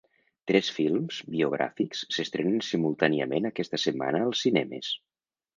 Tres films biogràfics s’estrenen simultàniament aquesta setmana als cinemes.